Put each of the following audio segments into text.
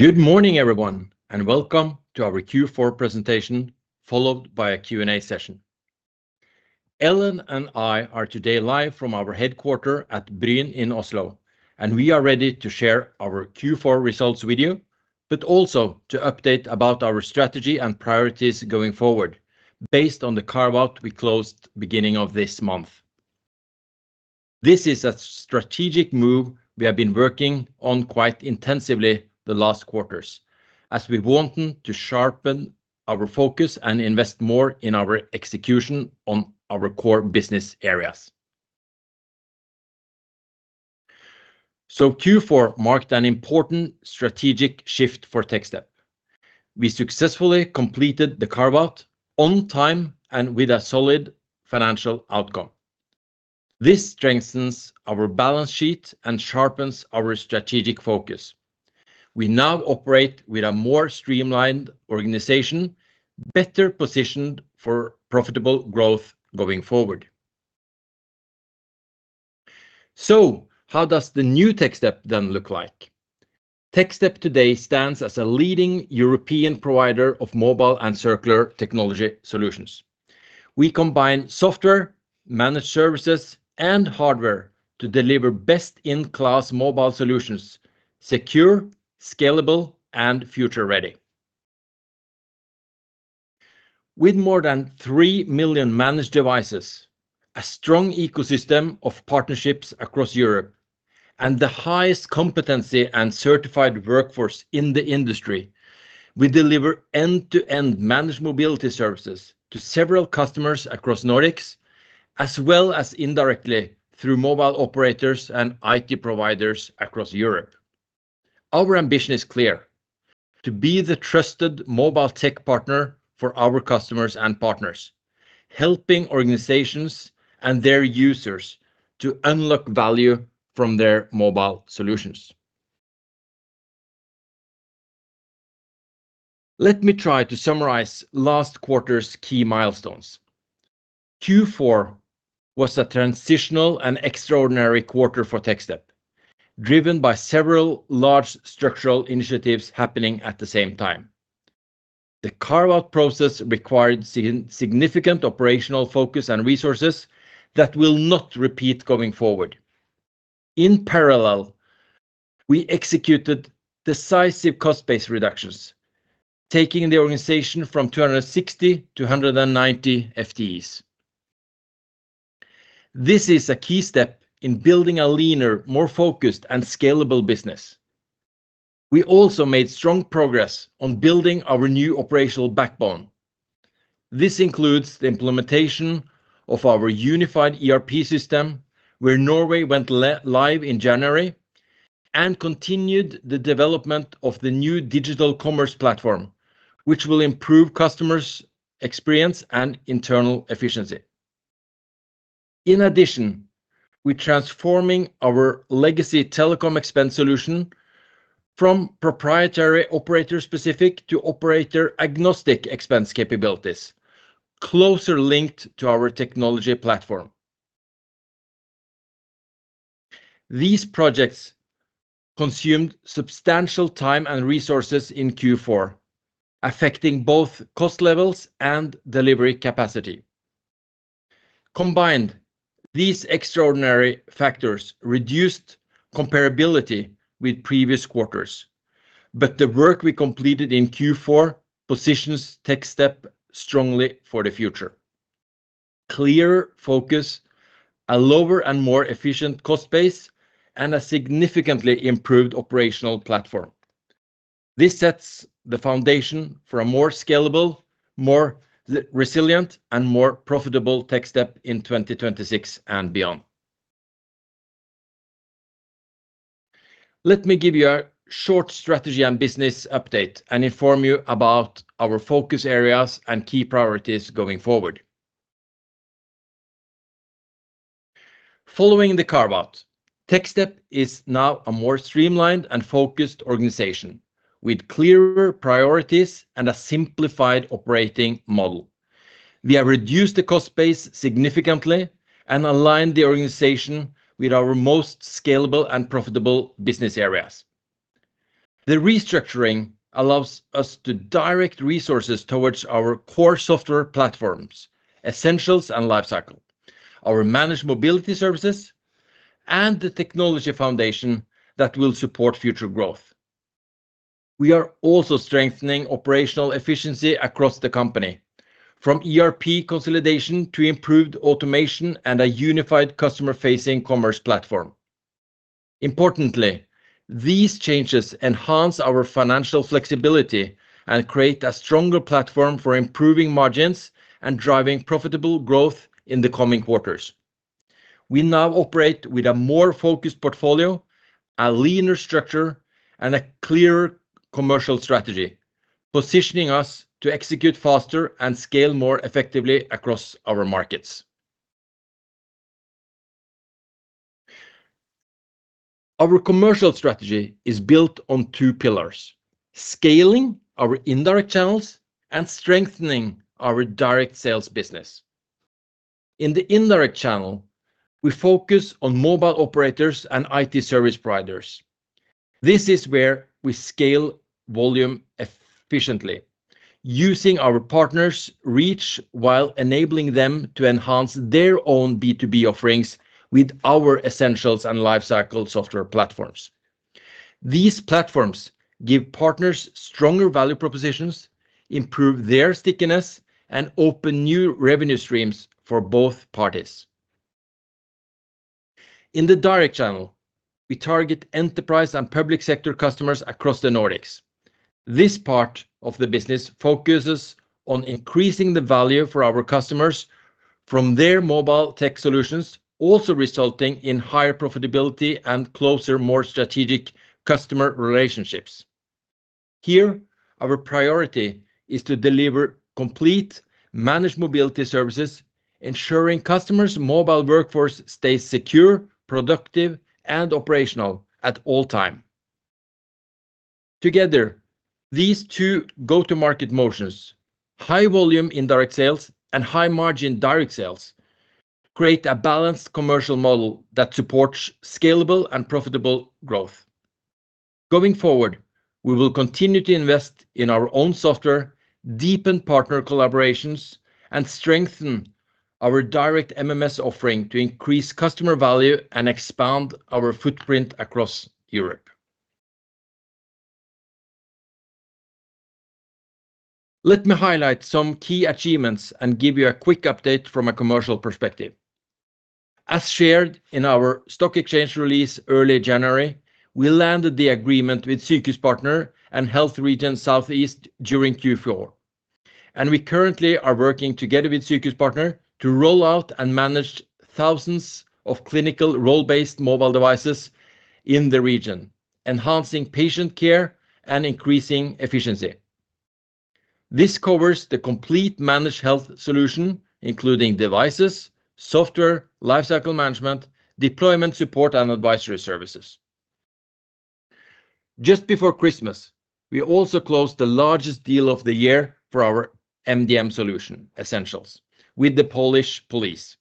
Good morning, everyone, and welcome to our Q4 presentation, followed by a Q&A session. Ellen and I are today live from our headquarters at Bryn in Oslo, and we are ready to share our Q4 results with you, but also to update about our strategy and priorities going forward based on the carve-out we closed beginning of this month. This is a strategic move we have been working on quite intensively the last quarters, as we wanted to sharpen our focus and invest more in our execution on our core business areas. Q4 marked an important strategic shift for Techstep. We successfully completed the carve-out on time and with a solid financial outcome. This strengthens our balance sheet and sharpens our strategic focus. We now operate with a more streamlined organization, better positioned for profitable growth going forward. How does the new Techstep then look like? Techstep today stands as a leading European provider of mobile and circular technology solutions. We combine software, managed services, and hardware to deliver best-in-class mobile solutions, secure, scalable, and future-ready. With more than 3 million managed devices, a strong ecosystem of partnerships across Europe, and the highest competency and certified workforce in the industry. We deliver end-to-end managed mobility services to several customers across Nordics, as well as indirectly through mobile operators and IT providers across Europe. Our ambition is clear: to be the trusted mobile tech partner for our customers and partners, helping organizations and their users to unlock value from their mobile solutions. Let me try to summarize last quarter's key milestones. Q4 was a transitional and extraordinary quarter for Techstep, driven by several large structural initiatives happening at the same time. The carve-out process required significant operational focus and resources that will not repeat going forward. In parallel, we executed decisive cost base reductions, taking the organization from 260 to 190 FTEs. This is a key step in building a leaner, more focused, and scalable business. We also made strong progress on building our new operational backbone. This includes the implementation of our unified ERP system, where Norway went live in January, and continued the development of the new digital commerce platform, which will improve customers' experience and internal efficiency. In addition, we're transforming our legacy telecom expense solution from proprietary operator-specific to operator-agnostic expense capabilities, closer linked to our technology platform. These projects consumed substantial time and resources in Q4, affecting both cost levels and delivery capacity. Combined, these extraordinary factors reduced comparability with previous quarters, but the work we completed in Q4 positions Techstep strongly for the future. Clear focus, a lower and more efficient cost base, and a significantly improved operational platform. This sets the foundation for a more scalable, more resilient, and more profitable Techstep in 2026 and beyond. Let me give you a short strategy and business update and inform you about our focus areas and key priorities going forward. Following the carve-out, Techstep is now a more streamlined and focused organization, with clearer priorities and a simplified operating model. We have reduced the cost base significantly and aligned the organization with our most scalable and profitable business areas. The restructuring allows us to direct resources towards our core software platforms, Essentials and Lifecycle, our managed mobility services, and the technology foundation that will support future growth. We are also strengthening operational efficiency across the company, from ERP consolidation to improved automation and a unified customer-facing commerce platform. Importantly, these changes enhance our financial flexibility and create a stronger platform for improving margins and driving profitable growth in the coming quarters. We now operate with a more focused portfolio, a leaner structure, and a clear commercial strategy, positioning us to execute faster and scale more effectively across our markets. Our commercial strategy is built on two pillars: scaling our indirect channels and strengthening our direct sales business. In the indirect channel, we focus on mobile operators and IT service providers. This is where we scale volume efficiently, using our partners' reach while enabling them to enhance their own B2B offerings with our Essentials and Lifecycle software platforms. These platforms give partners stronger value propositions, improve their stickiness, and open new revenue streams for both parties. In the direct channel, we target enterprise and public sector customers across the Nordics. This part of the business focuses on increasing the value for our customers from their mobile tech solutions, also resulting in higher profitability and closer, more strategic customer relationships. Here, our priority is to deliver complete managed mobility services, ensuring customers' mobile workforce stays secure, productive, and operational at all time. Together, these two go-to-market motions, high volume indirect sales and high margin direct sales, create a balanced commercial model that supports scalable and profitable growth. Going forward, we will continue to invest in our own software, deepen partner collaborations, and strengthen our direct MMS offering to increase customer value and expand our footprint across Europe. Let me highlight some key achievements and give you a quick update from a commercial perspective. As shared in our stock exchange release early January, we landed the agreement with Sykehuspartner and Helse Sør-Øst during Q4, and we currently are working together with Sykehuspartner to roll out and manage thousands of clinical role-based mobile devices in the region, enhancing patient care and increasing efficiency. This covers the complete managed health solution, including devices, software, lifecycle management, deployment support, and advisory services. Just before Christmas, we also closed the largest deal of the year for our MDM solution Essentials with the Polish police.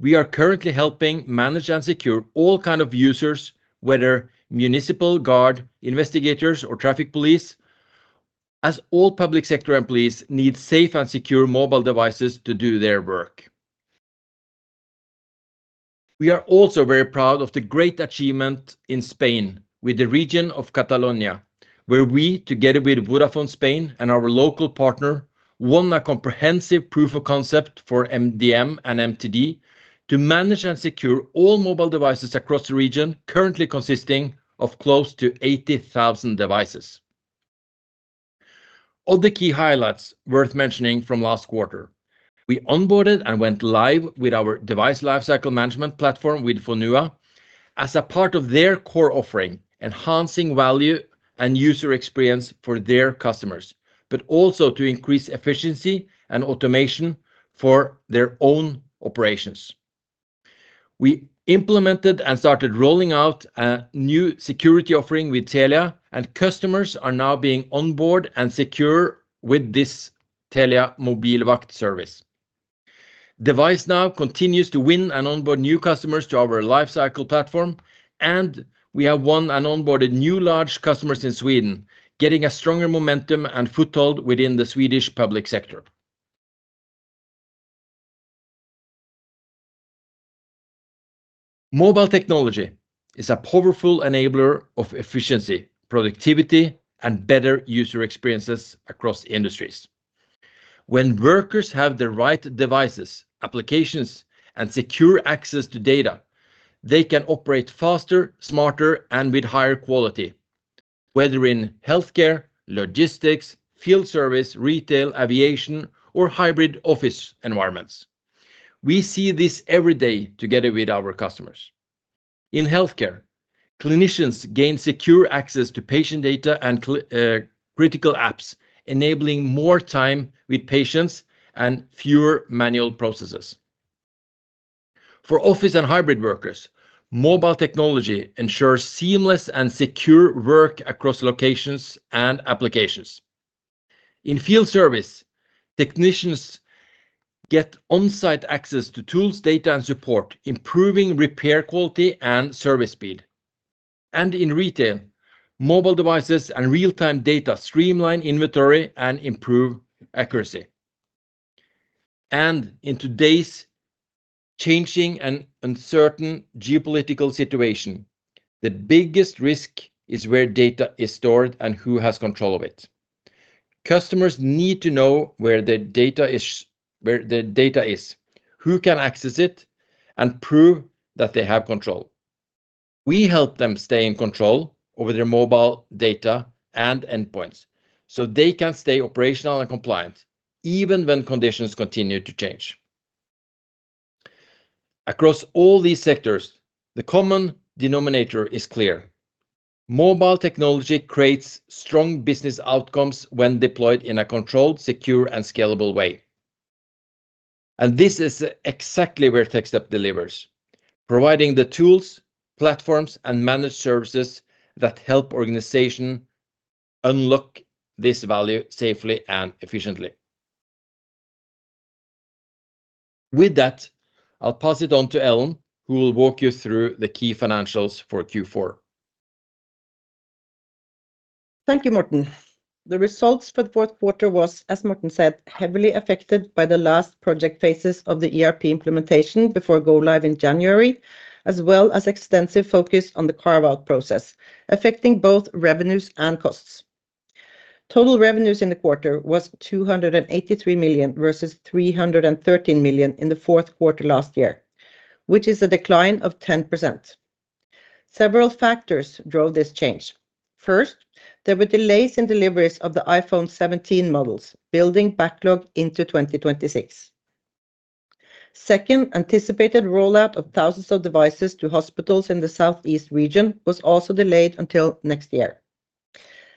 We are currently helping manage and secure all kind of users, whether municipal guard, investigators, or traffic police, as all public sector employees need safe and secure mobile devices to do their work. We are also very proud of the great achievement in Spain with the region of Catalonia, where we, together with Vodafone Spain and our local partner, won a comprehensive proof of concept for MDM and MTD to manage and secure all mobile devices across the region, currently consisting of close to 80,000 devices. Other key highlights worth mentioning from last quarter: we onboarded and went live with our device lifecycle management platform with Fónua as a part of their core offering, enhancing value and user experience for their customers, but also to increase efficiency and automation for their own operations. We implemented and started rolling out a new security offering with Telia, and customers are now being onboard and secure with this Telia Mobilvakt service. devicenow continues to win and onboard new customers to our Lifecycle platform, and we have won and onboarded new large customers in Sweden, getting a stronger momentum and foothold within the Swedish public sector. mobile technology is a powerful enabler of efficiency, productivity, and better user experiences across industries. When workers have the right devices, applications, and secure access to data, they can operate faster, smarter, and with higher quality, whether in healthcare, logistics, field service, retail, aviation, or hybrid office environments. We see this every day together with our customers. In healthcare, clinicians gain secure access to patient data and critical apps, enabling more time with patients and fewer manual processes. For office and hybrid workers, mobile technology ensures seamless and secure work across locations and applications. In field service, technicians get on-site access to tools, data, and support, improving repair quality and service speed. In retail, mobile devices and real-time data streamline inventory and improve accuracy. In today's changing and uncertain geopolitical situation, the biggest risk is where data is stored and who has control of it. Customers need to know where their data is, where their data is, who can access it, and prove that they have control. We help them stay in control over their mobile data and endpoints, so they can stay operational and compliant even when conditions continue to change. Across all these sectors, the common denominator is clear: mobile technology creates strong business outcomes when deployed in a controlled, secure, and scalable way. This is exactly where Techstep delivers, providing the tools, platforms, and managed services that help organizations unlock this value safely and efficiently. With that, I'll pass it on to Ellen, who will walk you through the key financials for Q4. Thank you, Morten. The results for the fourth quarter was, as Morten said, heavily affected by the last project phases of the ERP implementation before go live in January, as well as extensive focus on the carve-out process, affecting both revenues and costs. Total revenues in the quarter was 283 million, versus 313 million in the fourth quarter last year, which is a decline of 10%. Several factors drove this change. First, there were delays in deliveries of the iPhone 17 models, building backlog into 2026. Second, anticipated rollout of thousands of devices to hospitals in the Southeast region was also delayed until next year.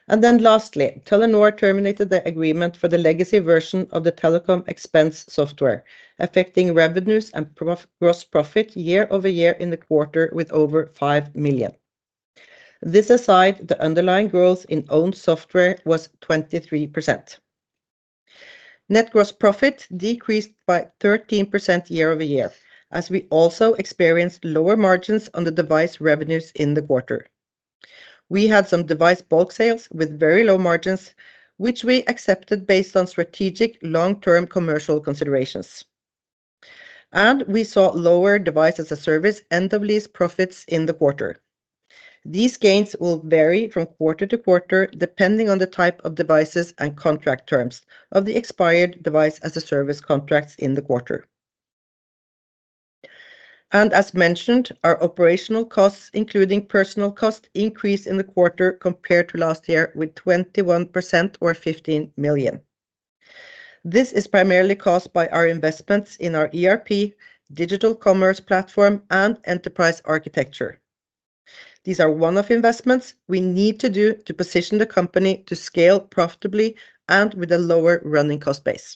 Then lastly, Telenor terminated the agreement for the legacy version of the telecom expense software, affecting revenues and gross profit year-over-year in the quarter with over 5 million. This aside, the underlying growth in own software was 23%. Net gross profit decreased by 13% year-over-year, as we also experienced lower margins on the device revenues in the quarter. We had some device bulk sales with very low margins, which we accepted based on strategic long-term commercial considerations, and we saw lower device as a service end-of-lease profits in the quarter. These gains will vary from quarter-to-quarter, depending on the type of devices and contract terms of the expired device as a service contracts in the quarter. As mentioned, our operational costs, including personnel cost, increased in the quarter compared to last year with 21% or 15 million. This is primarily caused by our investments in our ERP, Digital Commerce Platform, and Enterprise Architecture. These are one-off investments we need to do to position the company to scale profitably and with a lower running cost base.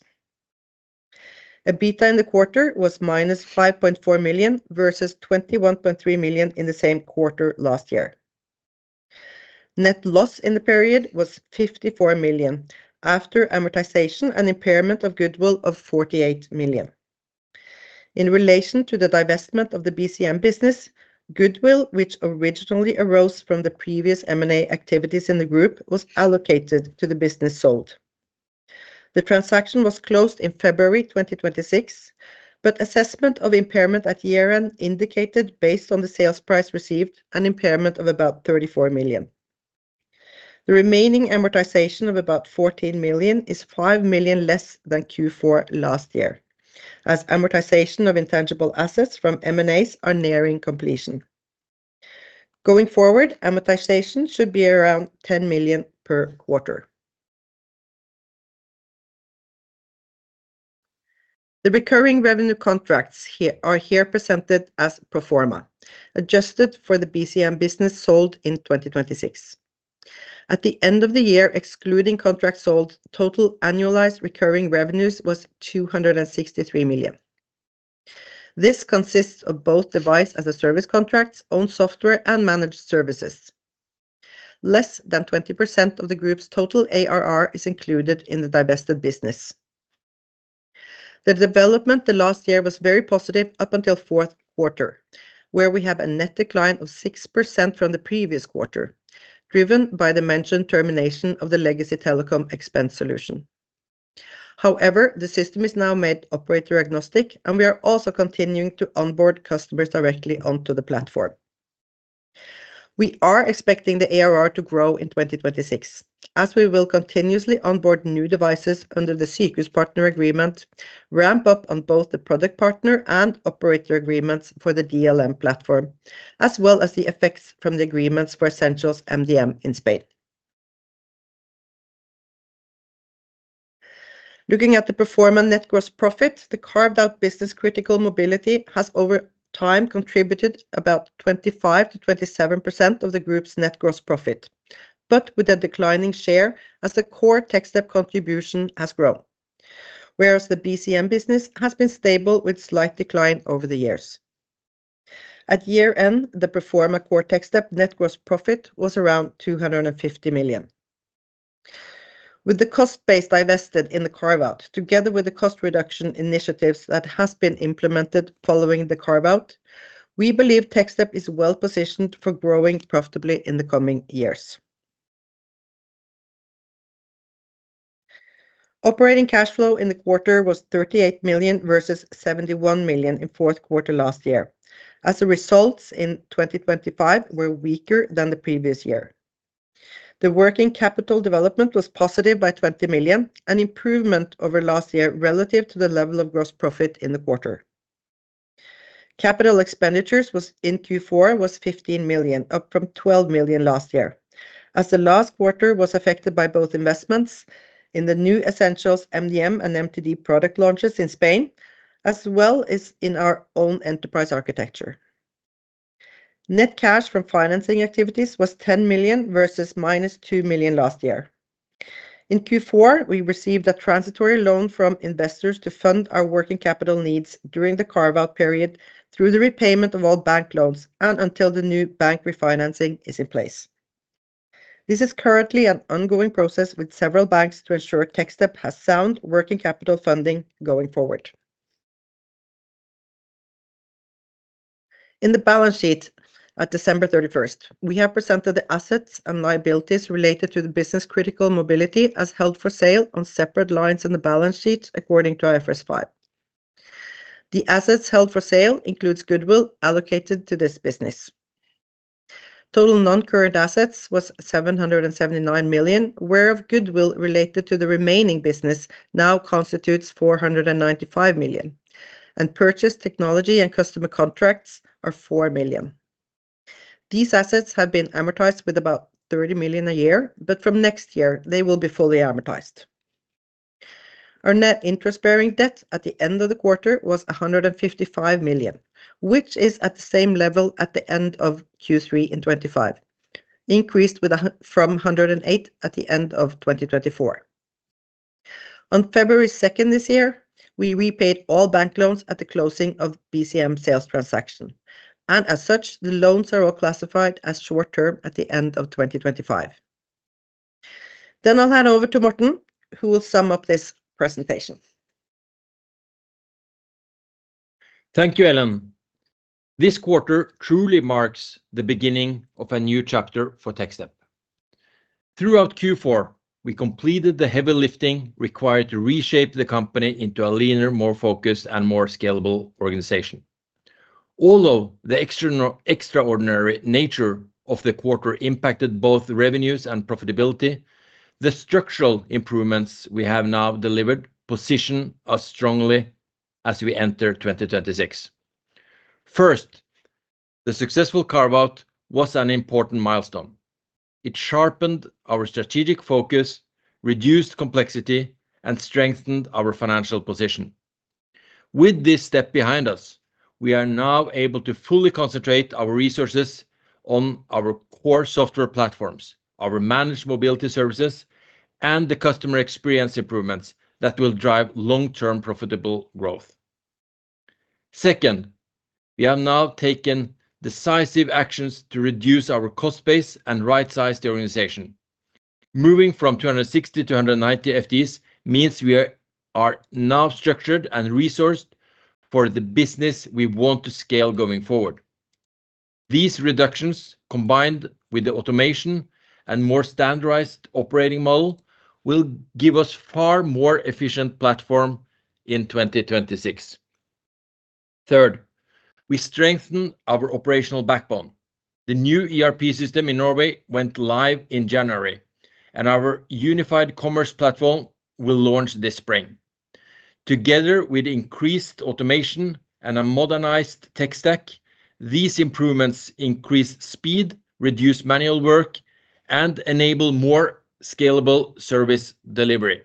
EBITDA in the quarter was -5.4 million versus 21.3 million in the same quarter last year. Net loss in the period was 54 million, after amortization and impairment of Goodwill of 48 million. In relation to the divestment of the BCM business, Goodwill, which originally arose from the previous M&A activities in the group, was allocated to the business sold. The transaction was closed in February 2026, but assessment of impairment at year-end indicated, based on the sales price received, an impairment of about 34 million. The remaining amortization of about 14 million is 5 million less than Q4 last year, as amortization of intangible assets from M&As are nearing completion. Going forward, amortization should be around 10 million per quarter. The recurring revenue contracts here, are here presented as pro forma, adjusted for the BCM business sold in 2026. At the end of the year, excluding contracts sold, total annualized recurring revenues was 263 million. This consists of both device as a service contracts, own software, and managed services. Less than 20% of the group's total ARR is included in the divested business. The development the last year was very positive up until fourth quarter, where we have a net decline of 6% from the previous quarter, driven by the mentioned termination of the legacy telecom expense solution. However, the system is now made operator agnostic, and we are also continuing to onboard customers directly onto the platform. We are expecting the ARR to grow in 2026, as we will continuously onboard new devices under the Sykehuspartner agreement, ramp up on both the product partner and operator agreements for the DLM platform, as well as the effects from the agreements for Essentials MDM in Spain. Looking at the pro forma net gross profit, the carved-out Business Critical Mobility has over time contributed about 25%-27% of the group's net gross profit, but with a declining share as the core Techstep contribution has grown, whereas the BCM business has been stable with slight decline over the years. At year-end, the pro forma core Techstep net gross profit was around 250 million. With the cost base divested in the carve-out, together with the cost reduction initiatives that has been implemented following the carve out, we believe Techstep is well positioned for growing profitably in the coming years. Operating cash flow in the quarter was 38 million versus 71 million in fourth quarter last year, as the results in 2025 were weaker than the previous year. The working capital development was positive by 20 million, an improvement over last year relative to the level of gross profit in the quarter. Capital expenditures in Q4 was 15 million, up from 12 million last year, as the last quarter was affected by both investments in the new Essentials MDM and MTD product launches in Spain, as well as in our own enterprise architecture. Net cash from financing activities was 10 million versus -2 million last year. In Q4, we received a transitory loan from investors to fund our working capital needs during the carve-out period through the repayment of all bank loans and until the new bank refinancing is in place. This is currently an ongoing process with several banks to ensure Techstep has sound working capital funding going forward. In the balance sheet at December 31st, we have presented the assets and liabilities related to the Business Critical Mobility as held for sale on separate lines in the balance sheet, according to IFRS 5. The assets held for sale includes Goodwill allocated to this business. Total non-current assets was 779 million, whereof Goodwill related to the remaining business now constitutes 495 million, and purchased technology and customer contracts are 4 million. These assets have been amortized with about 30 million a year, but from next year they will be fully amortized. Our net interest-bearing debt at the end of the quarter was 155 million, which is at the same level at the end of Q3 in 2025, increased from 108 at the end of 2024. On February 2nd this year, we repaid all bank loans at the closing of BCM sales transaction, and as such, the loans are all classified as short-term at the end of 2025. Then I'll hand over to Morten, who will sum up this presentation. Thank you, Ellen. This quarter truly marks the beginning of a new chapter for Techstep. Throughout Q4, we completed the heavy lifting required to reshape the company into a leaner, more focused, and more scalable organization. Although the extraordinary nature of the quarter impacted both the revenues and profitability, the structural improvements we have now delivered position us strongly as we enter 2026. First, the successful carve-out was an important milestone. It sharpened our strategic focus, reduced complexity, and strengthened our financial position. With this step behind us, we are now able to fully concentrate our resources on our core software platforms, our managed mobility services, and the customer experience improvements that will drive long-term, profitable growth. Second, we have now taken decisive actions to reduce our cost base and right-size the organization. Moving from 260 to 190 FTEs means we are now structured and resourced for the business we want to scale going forward. These reductions, combined with the automation and more standardized operating model, will give us far more efficient platform in 2026. Third, we strengthen our operational backbone. The new ERP system in Norway went live in January, and our unified commerce platform will launch this spring. Together with increased automation and a modernized tech stack, these improvements increase speed, reduce manual work, and enable more scalable service delivery.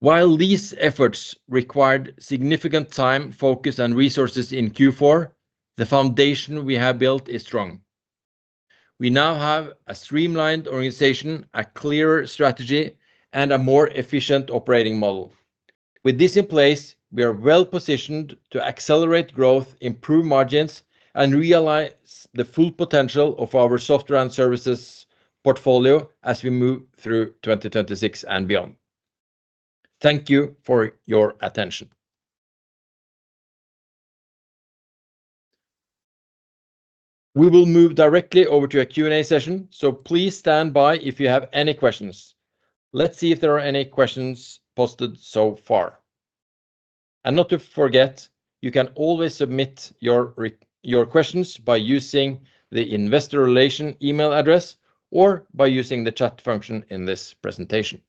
While these efforts required significant time, focus, and resources in Q4, the foundation we have built is strong. We now have a streamlined organization, a clearer strategy, and a more efficient operating model. With this in place, we are well-positioned to accelerate growth, improve margins, and realize the full potential of our software and services portfolio as we move through 2026 and beyond. Thank you for your attention. We will move directly over to a Q&A session, so please stand by if you have any questions. Let's see if there are any questions posted so far. Not to forget, you can always submit your your questions by using the investor relation email address or by using the chat function in this presentation.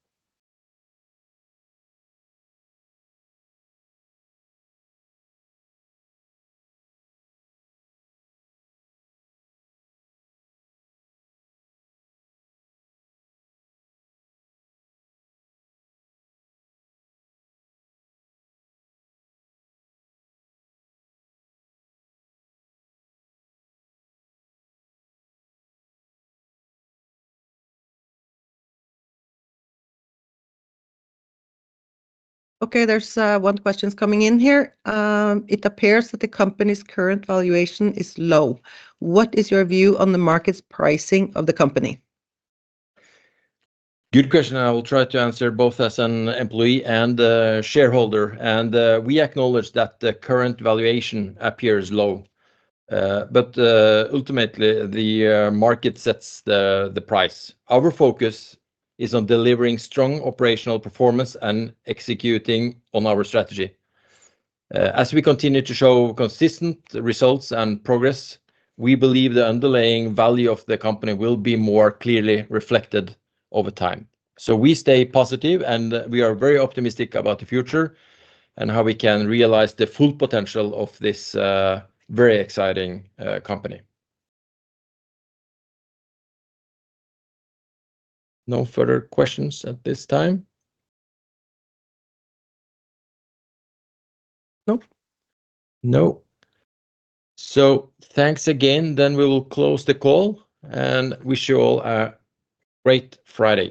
Okay, there's one question coming in here. It appears that the company's current valuation is low. What is your view on the market's pricing of the company? Good question, and I will try to answer both as an employee and a shareholder. We acknowledge that the current valuation appears low, but ultimately, the market sets the price. Our focus is on delivering strong operational performance and executing on our strategy. As we continue to show consistent results and progress, we believe the underlying value of the company will be more clearly reflected over time. We stay positive, and we are very optimistic about the future and how we can realize the full potential of this very exciting company. No further questions at this time? Nope. No. Thanks again, then we will close the call and wish you all a great Friday.